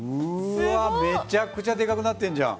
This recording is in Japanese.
めちゃくちゃでかくなってんじゃん。